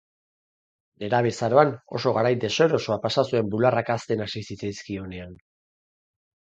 Nerabezaroan, oso garai deserosoa pasa zuen bularrak hazten hasi zitzizkionean.